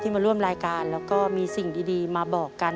มาร่วมรายการแล้วก็มีสิ่งดีมาบอกกัน